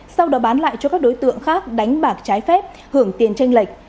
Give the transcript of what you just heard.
sau đó bán lại cho các đối tượng khác đánh bạc trái phép hưởng tiền tranh lệch